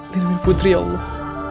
dinamin putri ya allah